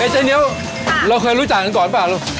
เจ๊เหนียวเราเคยรู้จักกันก่อนเปล่าลูก